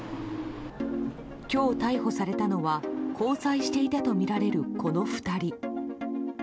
今日逮捕されたのは交際していたとみられるこの２人。